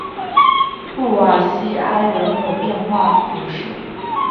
布瓦西埃人口变化图示